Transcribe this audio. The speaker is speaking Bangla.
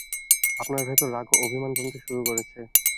আপনার ভেতর রাগ, অতিমান জমতে শুরু করেছে।